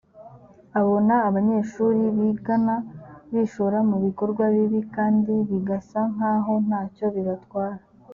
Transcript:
abona abanyeshuri bigana bishora mu bikorwa bibi kandi bigasa nk’aho nta cyo bibatwara